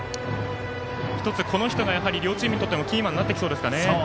１つ、この人が両チームにとってキーマンになってきそうですね。